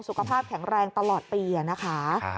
สุขภาพแข็งแรงตลอดปีนะคะ